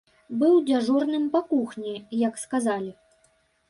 Быў дзяжурным па кухні, як сказалі.